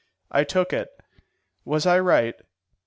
I took it. Was I right?"